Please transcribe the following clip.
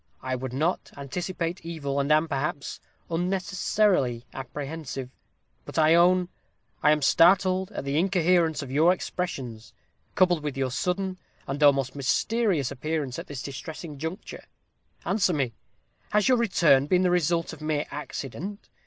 I would not anticipate evil, and am, perhaps, unnecessarily apprehensive. But I own, I am startled at the incoherence of your expressions, coupled with your sudden and almost mysterious appearance at this distressing conjuncture. Answer me: has your return been the result of mere accident?